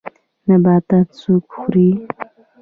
نباتات څوک خوري